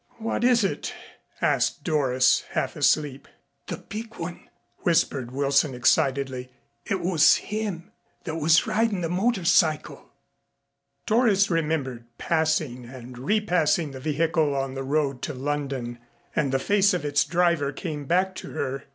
"What is it?" asked Doris, half asleep. "The big one," whispered Wilson excitedly. "It was him that was ridin' the motor cycle." Doris remembered passing and repassing the vehicle on the road to London, and the face of its driver came back to her.